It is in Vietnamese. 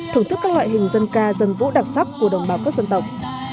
thưởng thức các loại hình dân ca dân vũ đặc sắc của đồng bào các dân tộc